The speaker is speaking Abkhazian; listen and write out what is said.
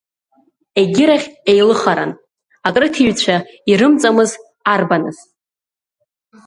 Егьирахь еилыхаран, акрыҭиҩцәа ирымҵамыз арбаныз.